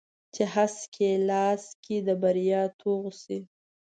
چې هسک یې لاس کې د بریا توغ شي